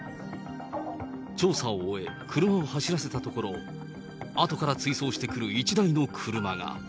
調査を終え、車を走らせたところ、あとから追走してくる１台の車が。